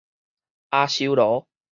阿修羅